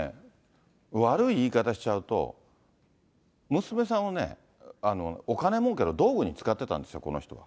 悪い言い方しちゃうと、娘さんをお金もうけの道具に使ってたんですよ、この人。